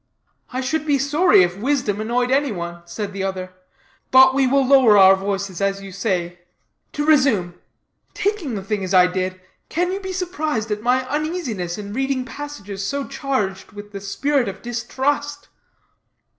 "I should be sorry if wisdom annoyed any one," said the other; "but we will lower our voices, as you say. To resume: taking the thing as I did, can you be surprised at my uneasiness in reading passages so charged with the spirit of distrust?"